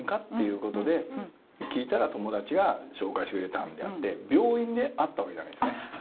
っていうことで聞いたら友達が紹介してくれたんであって病院で会ったわけじゃないですね。